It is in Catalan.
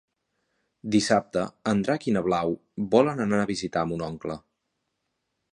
Dissabte en Drac i na Blau volen anar a visitar mon oncle.